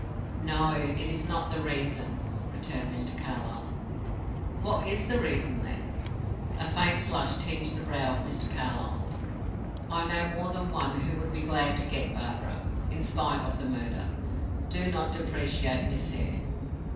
"No, it is not the reason," returned Mr. Carlyle. "What is the reason, then?" A faint flush tinged the brow of Mr. Carlyle. "I know more than one who would be glad to get Barbara, in spite of the murder. Do not depreciate Miss Hare."